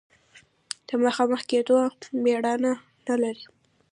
د مخامخ کېدو مېړانه نه لري.